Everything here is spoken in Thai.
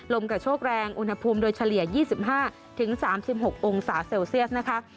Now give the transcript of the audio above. กระโชกแรงอุณหภูมิโดยเฉลี่ย๒๕๓๖องศาเซลเซียสนะคะ